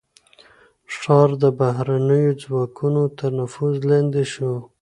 ښار د بهرنيو ځواکونو تر نفوذ لاندې شو.